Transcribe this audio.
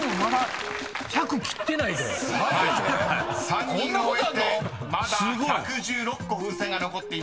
３人終えてまだ１１６個風船が残っています］